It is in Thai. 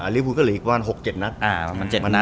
ลิฟท์ภูมิก็เหลืออีกประมาณ๖๗นัก